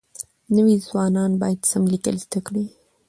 نوي ځوانان بايد سم ليکل زده کړي.